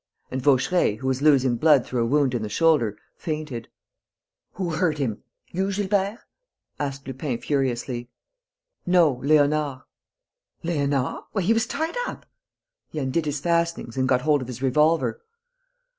And Vaucheray, who was losing blood through a wound in the shoulder, fainted. "Who hurt him? You, Gilbert?" asked Lupin, furiously. "No, Léonard." "Léonard? Why, he was tied up!" "He undid his fastenings and got hold of his revolver."